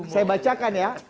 saya bacakan ya